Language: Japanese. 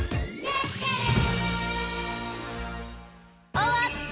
おわった！